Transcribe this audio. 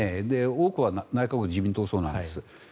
多くは内閣・自民党葬なんです。